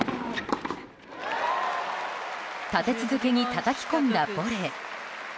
立て続けにたたき込んだボレー。